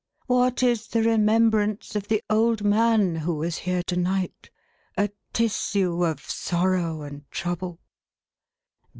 What is the remembrance of the old man who was here to night ? A tissue of sorrow and trouble."